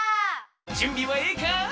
じゅんびはええか？